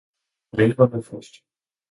Det var klingrende Frost.